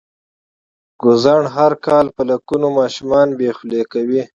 ګوزڼ هر کال په لکونو ماشومان بې خولې کوي.